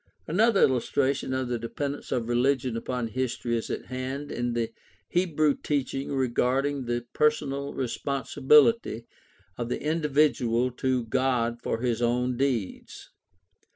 Another illustration of the dependence of religion upon history is at hand in the Hebrew teaching regarding the per sonal responsibility of the individual to God for his own deeds.